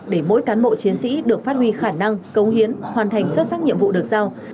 để mỗi cán bộ chiến sĩ được phát huy khả năng công hiến hoàn thành xuất sắc nhiệm vụ được giao